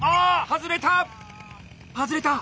外れた。